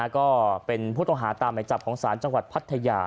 ก็เป็นผู้ต้องหาตามหมายจับของศาลจังหวัดพัทยา